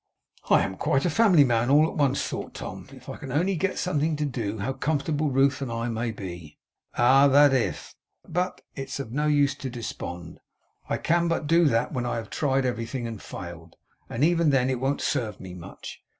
'I am quite a family man all at once,' thought Tom. 'If I can only get something to do, how comfortable Ruth and I may be! Ah, that if! But it's of no use to despond. I can but do that, when I have tried everything and failed; and even then it won't serve me much.